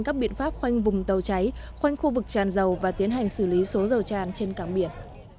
các biện pháp khoanh vùng tàu cháy khoanh khu vực tràn dầu và tiến hành xử lý số dầu tràn trên cảng biển